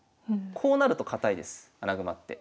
こうなると堅いです穴熊って。